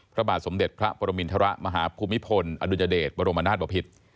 พระบาทสมเด็จพระปรมินทรมาฮภูมิพลอดุญเดชบรมนาศบพิษ